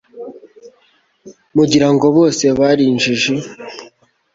mugira ngo bose bari injiji